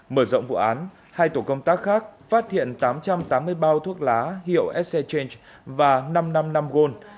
mở rộng vụ án hai tổ công tác khác phát hiện tám trăm tám mươi bao thuốc lá hiệu s a change và năm trăm năm mươi năm gold